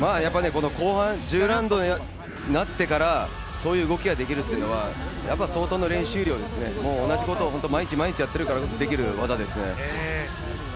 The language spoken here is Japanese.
後半１０ラウンドになってからこういう動きができるというのは、相当な練習量ですね、同じことを毎日毎日やってるからこそできる技ですね。